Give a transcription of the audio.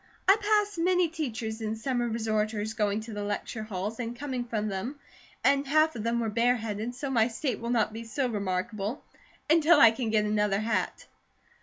I passed many teachers and summer resorters going to the lecture halls and coming from them, and half of them were bareheaded, so my state will not be remarkable, until I can get another hat."